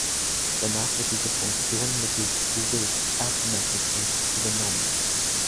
Danach wird diese Funktion mittels Googles App Messages übernommen.